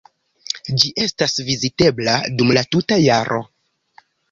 Ĝi estas vizitebla dum la tuta jaro.